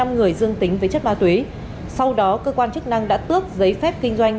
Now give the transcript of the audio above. một trăm linh năm người dương tính với chất ma túy sau đó cơ quan chức năng đã tước giấy phép kinh doanh